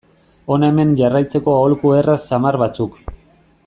Hona hemen jarraitzeko aholku erraz samar batzuk.